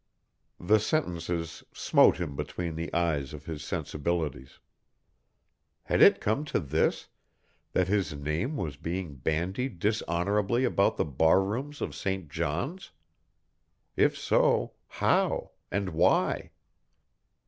The sentences smote him between the eyes of his sensibilities. Had it come to this, that his name was being bandied dishonorably about the barrooms of St. John's? If so, how and why?